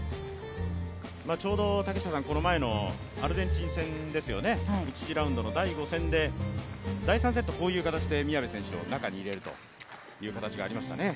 ちょうどこの前のアルゼンチン戦ですよね、１次ラウンドの第５戦で、第３セット、こういう形で宮部選手を中に入れるという形がありましたね。